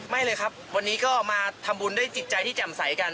ไม่เลยครับวันนี้ก็มาทำบุญด้วยจิตใจที่แจ่มใสกัน